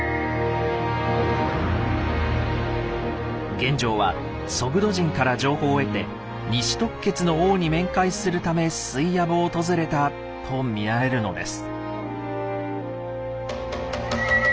玄奘はソグド人から情報を得て西突厥の王に面会するためスイヤブを訪れたと見られるのです。